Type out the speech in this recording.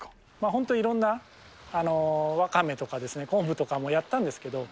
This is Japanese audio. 本当、いろんなワカメとかですね、昆布とかもやったんですけども。